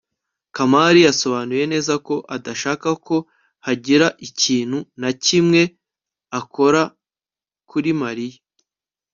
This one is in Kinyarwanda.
kamali yasobanuye neza ko adashaka ko hagira ikintu na kimwe akora kuri mariya